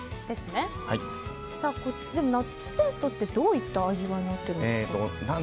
ナッツペーストってどういった味わいになってるんですか？